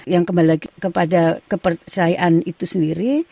yang kembali lagi kepada kepercayaan itu sendiri